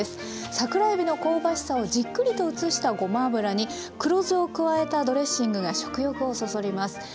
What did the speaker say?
桜えびの香ばしさをじっくりと移したごま油に黒酢を加えたドレッシングが食欲をそそります。